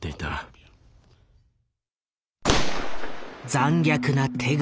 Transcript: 残虐な手口。